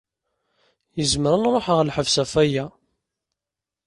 Izmer ad nṛuḥ ɣer lḥebs ɣef aya.